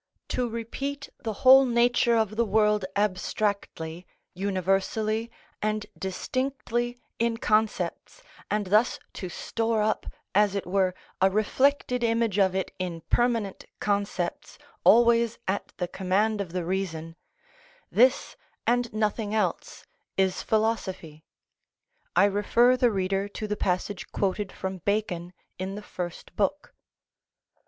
To repeat the whole nature of the world abstractly, universally, and distinctly in concepts, and thus to store up, as it were, a reflected image of it in permanent concepts always at the command of the reason; this and nothing else is philosophy. I refer the reader to the passage quoted from Bacon in the First Book.